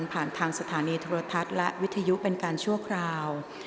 ผ่านทางสถานีโทรทัศน์และวิทยุเป็นการชั่วคราว